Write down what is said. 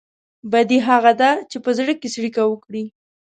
بدي هغه ده چې په زړه کې څړيکه وکړي.